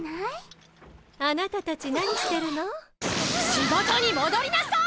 仕事に戻りなさい！